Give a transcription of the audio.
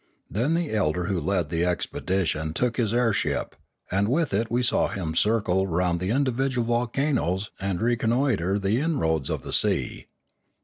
Then the elder who led the expedition took his air ship, and with it we saw him circle round the indi vidual volcanoes and reconnoitre the inroads of the sea.